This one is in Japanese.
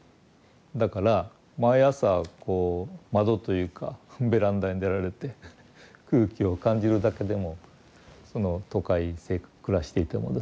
だから毎朝こう窓というかベランダに出られて空気を感じるだけでもその都会暮らしていてもですね